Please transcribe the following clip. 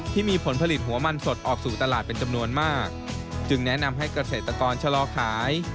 ที่มีผลผลิตหัวมันสดออกสู่ตลาดเป็นจำนวนมากจึงแนะนำให้เกษตรกรชะลอขาย